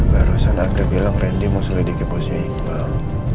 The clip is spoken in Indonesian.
barusan aku bilang randy mau selidiki bosnya iqbal